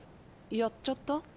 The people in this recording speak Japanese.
やっちゃった？